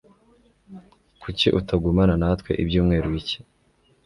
Kuki utagumana natwe ibyumweru bike?